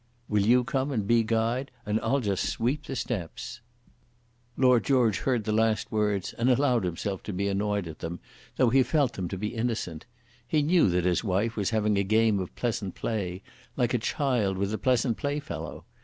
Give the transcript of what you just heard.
"Will you come and be guide, and I'll just sweep the steps!" Lord George heard the last words, and allowed himself to be annoyed at them, though he felt them to be innocent. He knew that his wife was having a game of pleasant play, like a child with a pleasant play fellow.